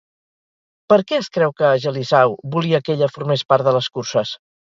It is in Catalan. Per què es creu que Agesilau volia que ella formés part de les curses?